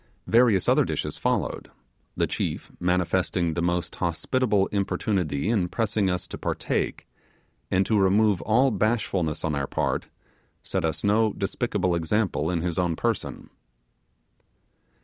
Various other dishes followed, the chief manifesting the most hospitable importunity in pressing us to partake, and to remove all bashfulness on our part, set us no despicable example in his own person.